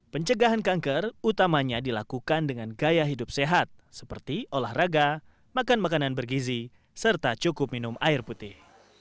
pencegahan kanker utamanya dilakukan dengan gaya hidup sehat seperti olahraga makan makanan bergizi serta cukup minum air putih